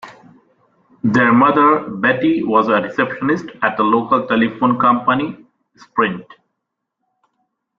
Their mother, Betty, was a receptionist at a local telephone company, Sprint.